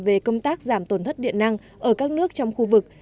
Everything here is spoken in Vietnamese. về công tác giảm tổn thất điện năng ở các nước trong khu vực